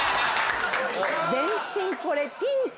全身これピンク。